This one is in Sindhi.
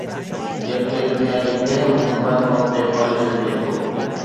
جنهن کي دنيا جي ڪنهن به موبائيل فون تي پڙهي سگهجي ٿو